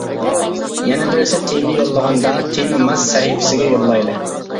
يەنە بىرسى تېما يوللىغاندا تېما ماس سەھىپىسىگە يوللايلى.